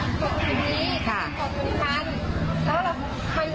กดหนูทันแล้วเรามันเสียงได้แชร์เหมือนตังค์ออกแต่เราก็เห็นตังค์มันออกหรือยังค่ะ